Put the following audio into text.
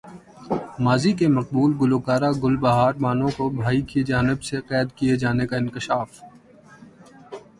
ماضی کی مقبول گلوکارہ گل بہار بانو کو بھائی کی جانب سے قید کیے جانے کا انکشاف